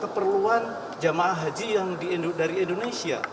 keperluan jemaah haji yang dari indonesia